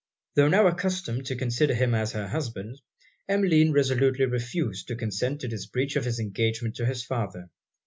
Tho' now accustomed to consider him as her husband, Emmeline resolutely refused to consent to this breach of his engagement to his father.